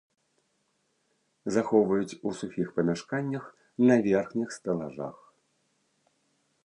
Захоўваюць у сухіх памяшканнях на верхніх стэлажах.